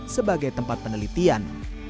sebagai tempat penelitian